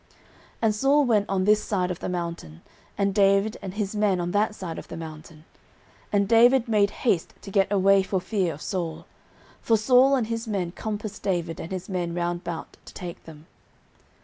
09:023:026 And Saul went on this side of the mountain, and David and his men on that side of the mountain: and David made haste to get away for fear of Saul; for Saul and his men compassed David and his men round about to take them.